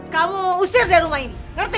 kamu mau usir dari rumah ini